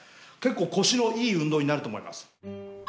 結構腰のいい運動になると思います。